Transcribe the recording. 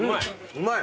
うまい。